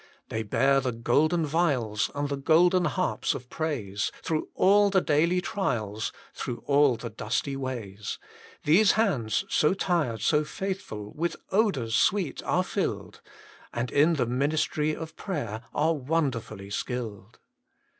They bear the golden vials, And the golden harps of praise Through all the daily trials, Through all the dusty ways, These hands, so tired, so faithful, With odours sweet are filled, And in the ministry of prayer Are wonderfully skilled.